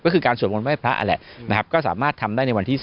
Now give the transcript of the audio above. ก็คือการสวดมนต์ไห้พระนั่นแหละนะครับก็สามารถทำได้ในวันที่๓